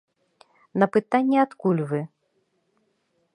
На пытанне адкуль вы?